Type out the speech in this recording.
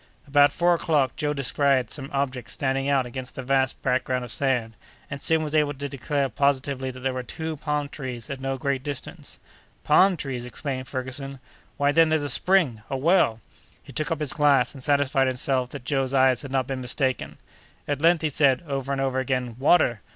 About four o'clock, Joe descried some object standing out against the vast background of sand, and soon was able to declare positively that there were two palm trees at no great distance. "Palm trees!" exclaimed Ferguson; "why, then there's a spring—a well!" He took up his glass and satisfied himself that Joe's eyes had not been mistaken. "At length!" he said, over and over again, "water!